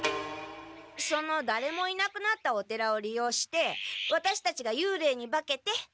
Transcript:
そのだれもいなくなったお寺を利用してワタシたちがゆうれいに化けて。